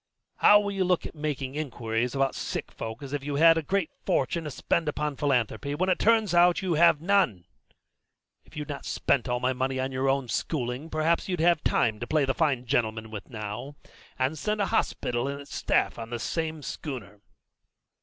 How will you look making inquiries about sick folk as if you had a great fortune to spend upon philanthropy, when it turns out that you have none? If you'd not spent all my money on your own schooling, perhaps you'd have some to play the fine gentleman with now, and send a hospital and its staff on this same schooner."